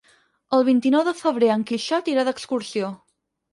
El vint-i-nou de febrer en Quixot irà d'excursió.